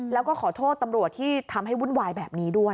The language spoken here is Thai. แล้วก็ขอโทษตำรวจที่ทำให้วุ่นวายแบบนี้ด้วย